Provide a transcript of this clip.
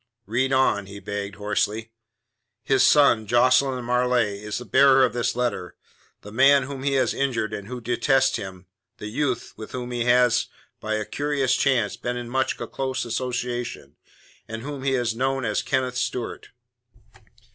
"Read on," he begged hoarsely. His son, Jocelyn Marleigh, is the bearer of this letter, the man whom he has injured and who detests him, the youth with whom he has, by a curious chance, been in much close association, and whom he has known as Kenneth Stewart.